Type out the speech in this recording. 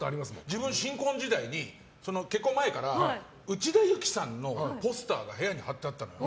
自分、新婚時代に結婚前から内田有紀さんのポスターが部屋に貼ってあったの。